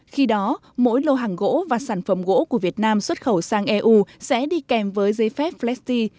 khi đó mỗi lô hàng gỗ và sản phẩm gỗ của việt nam xuất khẩu sang eu sẽ đi kèm với giấy phép flecti